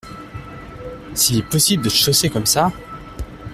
S’il est possible de se chausser comme ça !